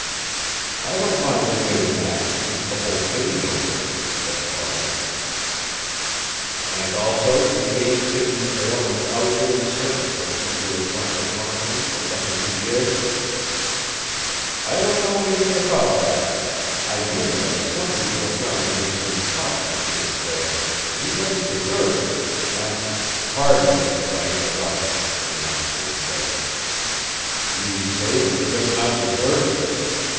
"I don't mind admitting that, since the whole city knows it," said Farland. "And also to aid Sidney Prale in outwitting certain persons who are trying to punish him for something he did." "I don't know anything about that. I do know that some people are trying to make things hot for Sid Prale, and he doesn't deserve it, and " "Pardon me, if I interrupt!" the masked man said. "You say that he does not deserve it.